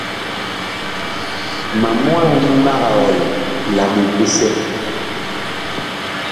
Ma mwaan mag ɔl la ɓot bisɛ.